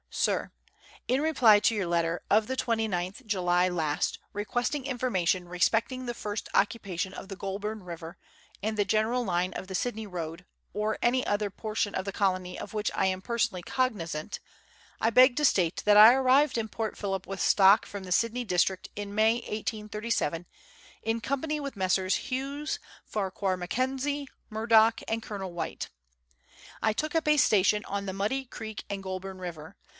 In reply to your letter of the 29th July last, requesting infor mation respecting the first occupation of the Goulburn River, and the general line of the Sydney road, or any other portion of the colony of which I am personally cognizant, I beg to state that I arrived in Port Phillip with stock from the Sydney district in May 1837, in company with Messrs. Hughes, Farquhar McKenzie, Murdock, and Colonel White. I took up a station on the Muddy Creek and Goulburn River.